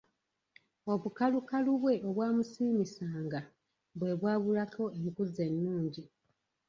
Obukalukalu bwe obwamusiimisanga bwe bwabulako enkuza ennungi.